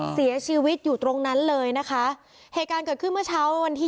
เสียชีวิตอยู่ตรงนั้นเลยนะคะเหตุการณ์เกิดขึ้นเมื่อเช้าวันที่